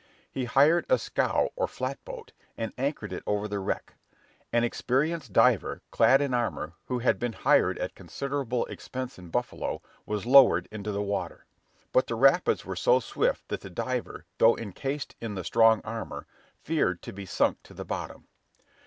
He hired a scow or flat boat, and anchored it over the wreck. An experienced diver, clad in armor, who had been hired at considerable expense in Buffalo, was lowered into the water; but the rapids were so swift that the diver, though incased in the strong armor, feared to be sunk to the bottom.